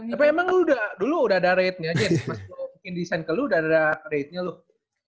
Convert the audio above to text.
tapi emang lo udah dulu udah ada ratenya aja masa gue bikin desain ke lo udah ada ratenya lo